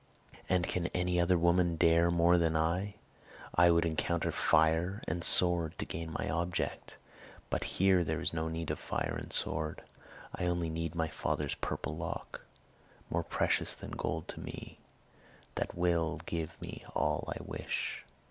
And can any other woman dare more than I? I would encounter fire and sword to gain my object; but here there is no need of fire and sword. I only need my father's purple lock. More precious than gold to me, that will give me all I wish."